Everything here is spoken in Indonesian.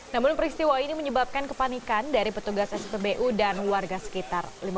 namun peristiwa ini menyebabkan kepanikan dari petugas spbu dan warga sekitar